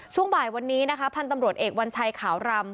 ช่วงบ่ายวันนี้นะคะพันธุ์ตำรวจเอกวัญชัยขาวรำ